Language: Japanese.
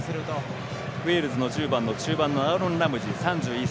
ウェールズの１０番のアーロン・ラムジー。